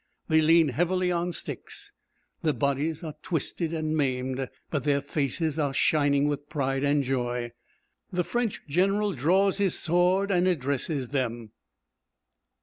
They lean heavily on sticks, their bodies are twisted and maimed, but their faces are shining with pride and joy. The French General draws his sword and addresses them.